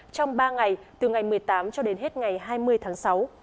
trong ba ngày từ ngày một mươi tám cho đến hết ngày hai mươi tháng sáu